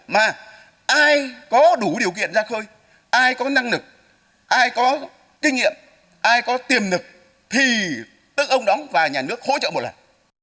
mà ai có đủ điều kiện ra khơi ai có năng lực ai có kinh nghiệm ai có tiềm lực thì tức ông đóng và nhà nước hỗ trợ một lần